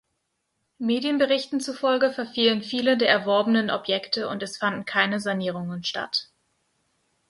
Medienberichten zufolge verfielen viele der erworbenen Objekte und es fanden keine Sanierungen statt.